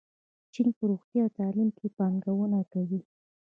چین په روغتیا او تعلیم کې پانګونه کوي.